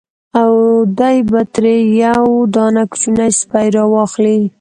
او دی به ترې یو دانه کوچنی سپی را واخلي.